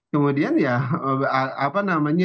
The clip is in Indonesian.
kemudian ya apa namanya